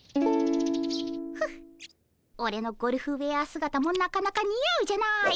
フッオレのゴルフウェア姿もなかなかにあうじゃないかっ。